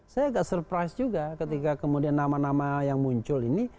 saya agak surprise juga ketika kemudian nama nama yang muncul ini